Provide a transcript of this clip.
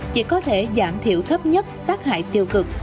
chỉ có thể giảm thiểu thấp nhất tác hại tiêu cực